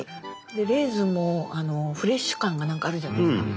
レーズンもフレッシュ感が何かあるじゃないですか。